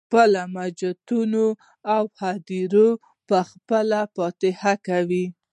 خپل جوماتونه او هدیرې یې په خپله فتحه کولې.